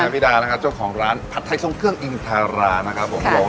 พี่ดานะครับเจ้าของร้านผัดไทยทรงเครื่องอินทารานะครับผม